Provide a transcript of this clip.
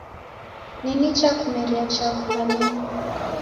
Ni nicha kumerie chaghu kwanekwa